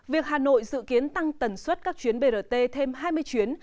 việc hà nội dự kiến tăng tần suất các chuyến brt thêm hai mươi chuyến